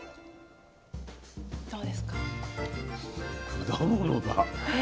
果物だ。